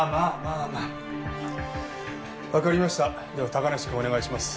では高梨くんお願いします。